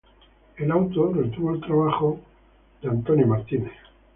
El auto retuvo el trabajo de Jenny Holzer.